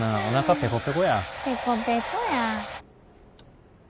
ペコペコや。